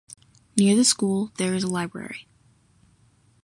Near the school there is a library.